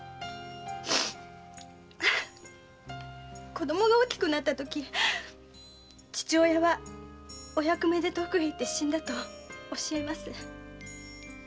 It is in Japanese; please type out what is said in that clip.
子供が大きくなったとき父親はお役目で遠くに行って死んだと教えます。